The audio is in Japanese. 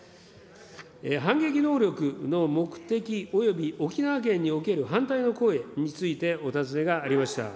反撃能力の目的および沖縄県における反対の声についてお尋ねがありました。